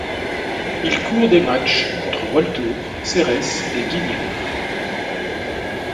Il court des matches contre Walthour, Sérès et Guignard.